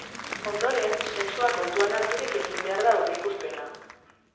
Ondoren, sexua kontuan harturik egin behar da aurreikuspena.